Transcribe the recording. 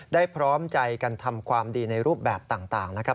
พร้อมใจกันทำความดีในรูปแบบต่างนะครับ